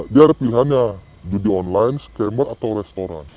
dia ada pilihannya judi online skamer atau restoran